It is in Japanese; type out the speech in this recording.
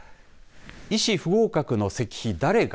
医師不合格の石碑だれが？